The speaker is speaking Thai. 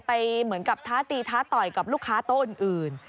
เหมือนกับท้าตีท้าต่อยกับลูกค้าโต๊ะอื่น